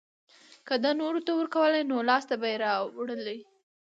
که ده نورو ته ورکولی نو لاسته به يې راوړلی.